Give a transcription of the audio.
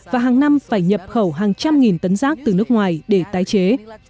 và hàng năm phải nhập khẩu hàng trăm nghìn tấn rác từ nước ngoài để tái chế